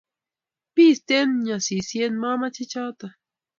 bisten chosisyet momeche choto!